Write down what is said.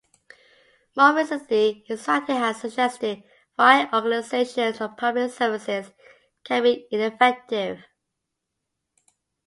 More recently, his writing has suggested why organisations and public services can be ineffective.